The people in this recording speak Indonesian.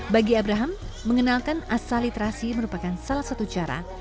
bagi abraham mengenalkan asal literasi merupakan salah satu cara